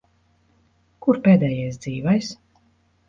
Kur pēdējais dzīvais?